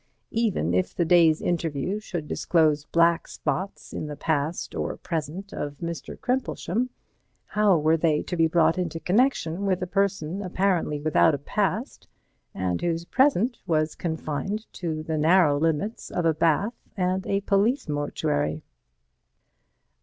Even if the day's interview should disclose black spots in the past or present of Mr. Crimplesham, how were they to be brought into connection with a person apparently without a past, and whose present was confined to the narrow limits of a bath and a police mortuary?